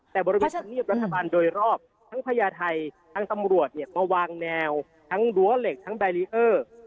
แต่บริเวณธรรมเนียบรัฐบาลโดยรอบทั้งพญาไทยทั้งตำรวจเนี่ยมาวางแนวทั้งรั้วเหล็กทั้งแบรีเออร์